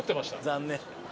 残念。